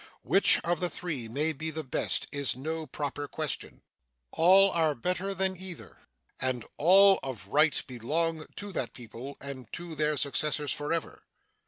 Which of the three may be the best is no proper question. All are better than either, and all of right belong to that people and to their successors forever.